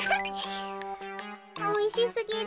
おいしすぎる。